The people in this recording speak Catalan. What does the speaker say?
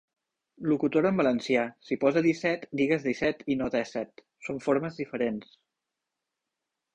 Locutora en valencià, si posa 'disset' digues 'disset' i no 'dèsset'. Són formes diferents.